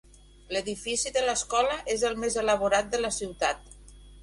L"edifici de l"escola és el més elaborat de la ciutat.